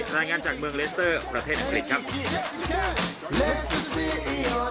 รายงานจากเมืองเลสเตอร์ประเทศอังกฤษครับ